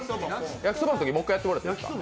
焼きそば、もう一回やってもらっていいですか。